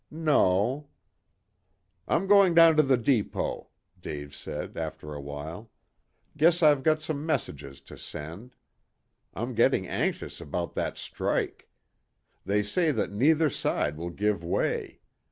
"No." "I'm going down to the depot," Dave said after a while. "Guess I've got some messages to send. I'm getting anxious about that strike. They say that neither side will give way.